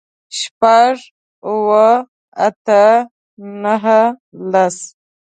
شپږ، اووه، اته، نهه، لس